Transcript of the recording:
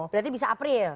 berarti bisa april